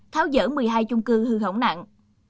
tháo dỡ một mươi hai chung cư hư hỏng nặng